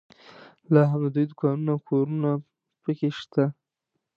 لا هم د دوی دوکانونه او کورونه په کې شته.